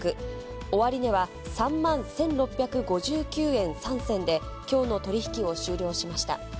終値は３万１６５９円３銭で、きょうの取り引きを終了しました。